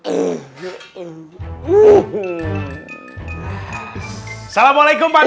assalamualaikum pak d